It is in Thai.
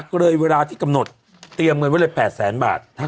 ก็เลยเวลาที่กำหนดเตรียมเงินไว้เลย๘แสนบาท